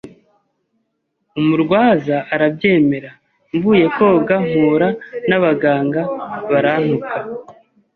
umurwaza arabyemera mvuye koga mpura n’abaganga barantuka